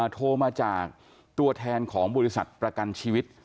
โทรมาจากตัวแทนของบริษัทประกันชีวิต